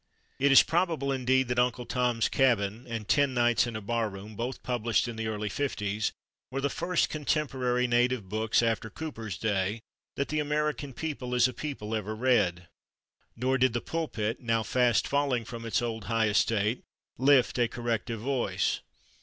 It is probable, indeed, that "Uncle Tom's Cabin" and "Ten Nights in a Bar room," both published in the early 50's, were the first contemporary native books, after Cooper's day, that the American people, as a people, ever read. Nor did the pulpit, now fast falling from its old high estate, lift a corrective voice.